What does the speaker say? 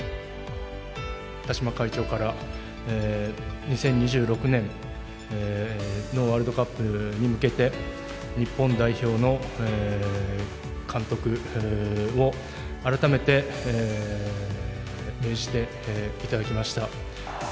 田嶋会長から２０２６年のワールドカップに向けて日本代表の監督を改めて命じていただきました。